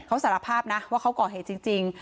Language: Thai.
เขาสารภาพนะว่าเขาก่อเหตุจริง